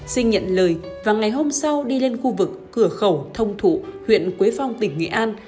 sinh nhận lời và ngày hôm sau đi lên khu vực cửa khẩu thông thụ huyện quế phong tỉnh nghệ an